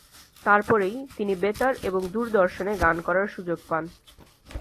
তারপরেই তিনি বেতার এবং দূরদর্শনে গান করার সুযোগ পান।